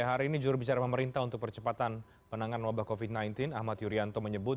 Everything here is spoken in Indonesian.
hari ini jurubicara pemerintah untuk percepatan penanganan wabah covid sembilan belas ahmad yuryanto menyebut